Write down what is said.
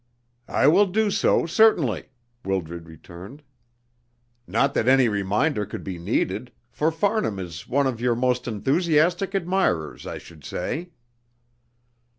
"I will do so, certainly," Wildred returned. "Not that any reminder could be needed, for Farnham is one of your most enthusiastic admirers, I should say."